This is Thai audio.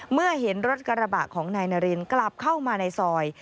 เมื่อเห็นรถกระบะของนายนารินกลับเข้ามาในซอย